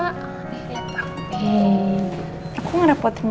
tapi aku gak dapetin mama ya